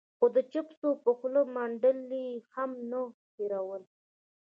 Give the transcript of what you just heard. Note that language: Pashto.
خو د چېپسو په خوله منډل يې هم نه هېرول.